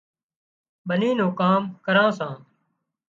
ٻنِِي نُون ڪام ڪراوان سان